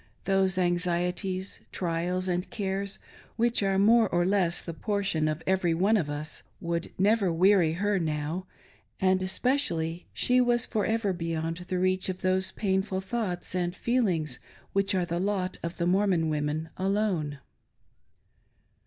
Those anxieties, trials, and cares, which are more or less the portion of every one of us, would never weary her now ; and, especially, she was for ever beyond the reach of those painful thoughts and feelings which are the lot of the Mormon women alone.